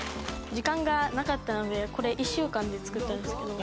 時間がなかったのでこれ１週間で作ったんですけど。